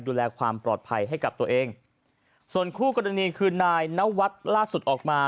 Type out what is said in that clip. ดูแลความปลอดภัยให้กับตัวเองส่วนคู่กรณีคือนายนวัดล่าสุดออกมา